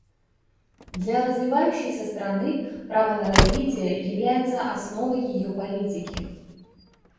Для развивающейся страны право на развитие является основой ее политики.